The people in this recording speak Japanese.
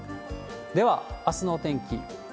では、あすのお天気。